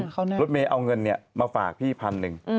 รถเมย์เอาเงินมาฝากพี่พันหนึ่ง